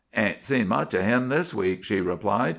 "Ain't seen much of him this week," she replied.